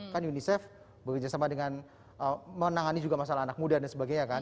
kan unicef bekerjasama dengan menangani juga masalah anak muda dan sebagainya kan